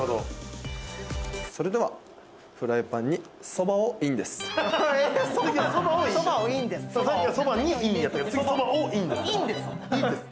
それではフライパンに、そばをインです。